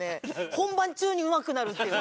本番中にうまくなるっていう。